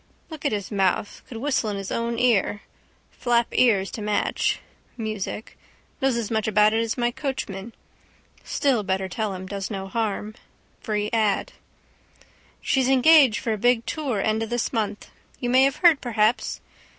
Look at his mouth. Could whistle in his own ear. Flap ears to match. Music. Knows as much about it as my coachman. Still better tell him. Does no harm. Free ad. —She's engaged for a big tour end of this month. You may have heard perhaps.